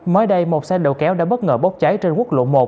mới đây một xe đầu kéo đã bất ngờ bốc cháy trên quốc lộ một